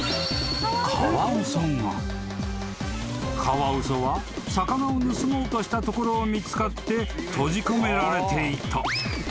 ［カワウソは魚を盗もうとしたところを見つかって閉じ込められていた］